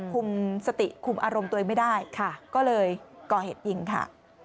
คุมสติคุมอารมณ์ตัวเองไม่ได้ค่ะก็เลยก่อเหตุยิงค่ะ